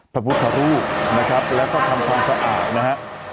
พระพุทธรูปนะครับแล้วก็ทำความสะอาดนะฮะ